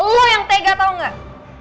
lo yang tega tau gak